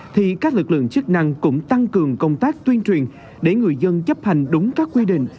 thì các lực lượng chức năng cũng tăng cường công tác tuyên truyền để người dân chấp hành đúng các quy định